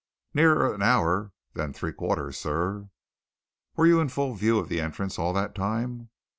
"Nearer an hour than three quarters, sir." "Were you in full view of the entrance all that time?"